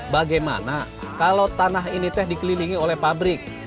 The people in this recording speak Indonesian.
bagaimana kalau tanah ini teh dikelilingi oleh pabrik